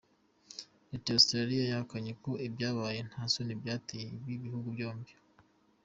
Leta ya Australia yahakanye ko ibyabaye nta soni byateye ibi bihugu byombi.